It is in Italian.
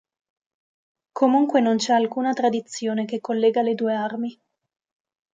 Comunque non c'è alcuna tradizione che collega le due armi.